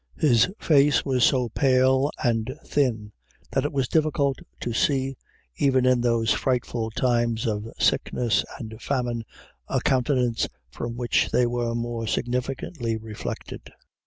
His face was so pale and thin that it was difficult to see, even in those frightfuf times of sickness and famine, a countenance from which they were more significantly reflected.